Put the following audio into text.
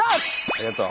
ありがとう。